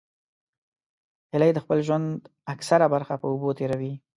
هیلۍ د خپل ژوند اکثره برخه په اوبو تېروي